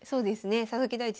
佐々木大地